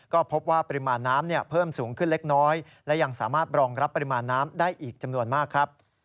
ก็พบว่าปริมาณน้ำเพิ่มสูงขึ้นเล็กน้อยและยังสามารถรองรับปริมาณน้ำได้อีกจำนวนมากครับ